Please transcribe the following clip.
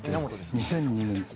２００２年。